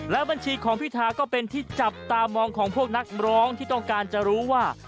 และบัญชีของพิธาก็เป็นที่จับตามองของพวกนักร้องที่ต้องการจะรู้ว่า